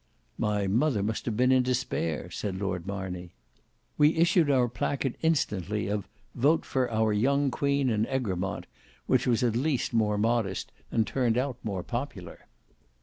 "My mother must have been in despair," said Lord Marney. "We issued our placard instantly of 'Vote for our young Queen and Egremont,' which was at least more modest, and turned out more popular."